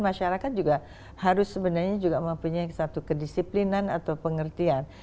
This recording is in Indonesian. masyarakat juga harus sebenarnya juga mempunyai satu kedisiplinan atau pengertian